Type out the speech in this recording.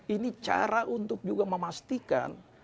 ini cara untuk juga memastikan